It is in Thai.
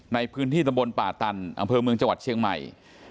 ในพื้นที่ตำบลป่าตันอำเภอเมืองจังหวัดเชียงใหม่